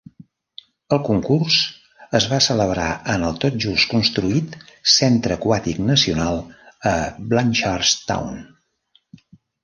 El concurs es va celebrar en el tot just construït Centre Aquàtic Nacional a Blanchardstown.